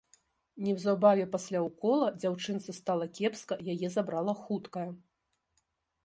Неўзабаве пасля ўкола дзяўчынцы стала кепска, яе забрала хуткая.